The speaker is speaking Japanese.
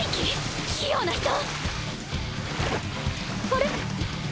あれ？